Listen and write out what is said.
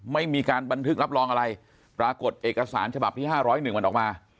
ไม่มีการบันทึกรับรองอะไรปรากฏเอกสารฉบับที่๕๐๑มันออกมา